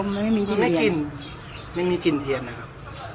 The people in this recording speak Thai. ไม่มีกลิ่นเทียนนะครับ